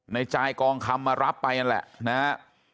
จายกองคำมารับไปนั่นแหละนะฮะ